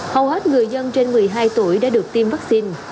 hầu hết người dân trên một mươi hai tuổi đã được tiêm vaccine